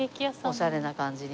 おしゃれな感じに。